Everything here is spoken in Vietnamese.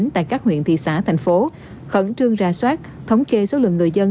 tại các huyện thị xã thành phố khẩn trương ra soát thống kê số lượng người dân